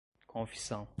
confissão